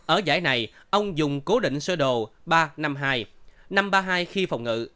ở giải này ông dùng cố định sơ đồ ba năm hai năm ba hai khi phong ngự